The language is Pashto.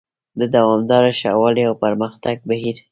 د دوامداره ښه والي او پرمختګ بهیر: